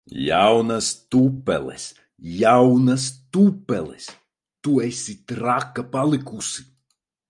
Jaunas tupeles! Jaunas tupeles! Tu esi traka palikusi!